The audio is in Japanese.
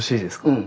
うん。